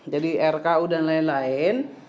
jadi rku dan lain lain